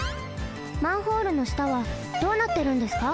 マンホールのしたはどうなってるんですか？